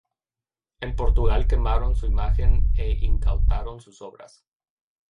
En Portugal quemaron su imagen e incautaron sus obras.